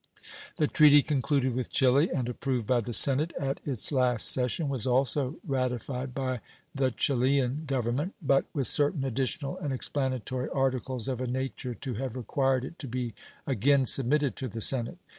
The treaty concluded with Chili and approved by the Senate at its last session was also ratified by the Chilian Government, but with certain additional and explanatory articles of a nature to have required it to be again submitted to the Senate.